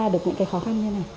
được những cái khó khăn như thế này